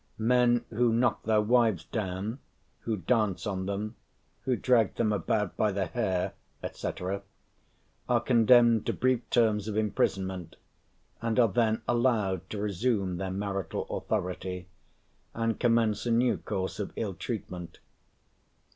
Men who knock their wives down, who dance on them, who drag them about by the hair, &c., are condemned to brief terms of imprisonment, and are then allowed to resume their marital authority, and commence a new course of ill treatment.